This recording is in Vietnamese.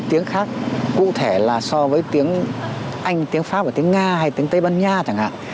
tiếng khác cụ thể là so với tiếng anh tiếng pháp và tiếng nga hay tiếng tây ban nha chẳng hạn